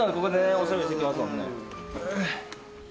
おしゃべりしていきますもんね。